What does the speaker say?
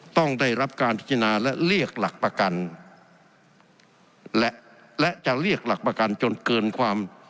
ต้องได้รับการพิจารณาและเรียกหลักประกันและและจะเรียกหลักประกันจนเกินความ